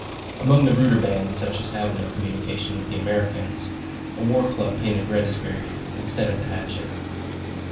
Among the ruder bands, such as have no communication with the Americans, a war club, painted red, is buried, instead of the hatchet.